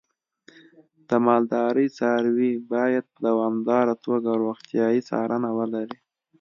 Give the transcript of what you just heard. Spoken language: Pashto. د مالدارۍ څاروی باید په دوامداره توګه روغتیايي څارنه ولري.